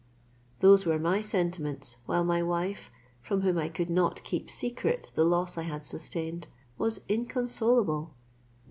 These were my sentiments, while my wife, from whom I could not keep secret the loss I had sustained, was inconsolable.